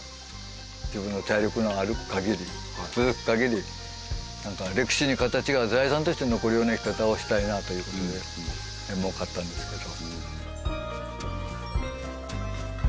自分の体力がある限り続く限り歴史に形が財産として残るような生き方をしたいなという事で山を買ったんですけど。